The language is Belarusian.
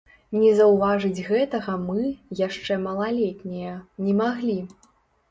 Не заўважаць гэтага мы, яшчэ малалетнія, не маглі.